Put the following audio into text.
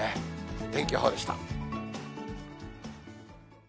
天気予報でした。